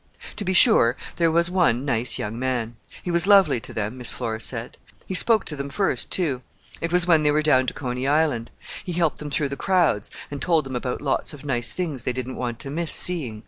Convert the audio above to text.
To be sure, there was one nice young man. He was lovely to them, Miss Flora said. He spoke to them first, too. It was when they were down to Coney Island. He helped them through the crowds, and told them about lots of nice things they didn't want to miss seeing.